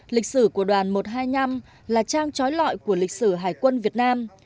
lịch sử của đoàn một trăm hai mươi năm là trang trói lọi của lịch sử hải quân việt nam